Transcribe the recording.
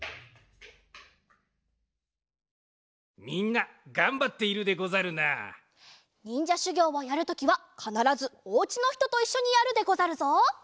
みんながんばっているでござるな。にんじゃしゅぎょうをやるときはかならずおうちのひとといっしょにやるでござるぞ。